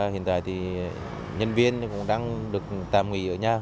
hiện tại thì nhân viên cũng đang được tạm nghỉ ở nhà